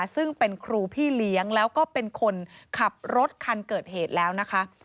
ซึ่งเป็นครูพี่เลี้ยงแล้วก็เป็นคนขับรถคันเกิดเหตุแล้วนะคะ